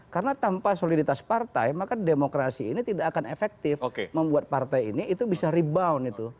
karena tanpa soliditas partai maka demokrasi ini tidak akan efektif membuat partai ini itu bisa rebound itu